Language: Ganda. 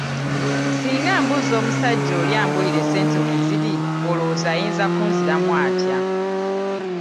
Singa mbuuza omusajja oli ambuulire ssente we ziri, olowooza ayinza kunziramu atya?